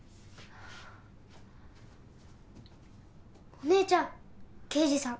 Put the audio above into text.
お姉ちゃん刑事さん